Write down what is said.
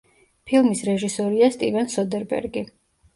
ფილმის რეჟისორია სტივენ სოდერბერგი.